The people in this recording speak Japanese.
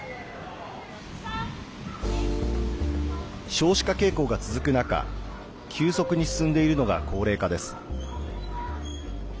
少子化傾向が続く中急速に進んでいるのが高齢化です。